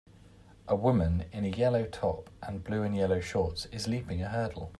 A woman in a yellow top and blue and yellow shorts is leaping a hurdle.